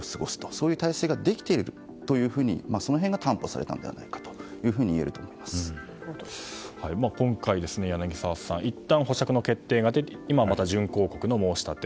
そういう体制ができていると、その辺が担保されたのではないかと今回、柳澤さんいったん保釈の決定が出て今また準抗告の申し立て